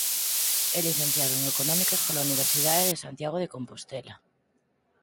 É licenciado en Económicas pola Universidade de Santiago de Compostela.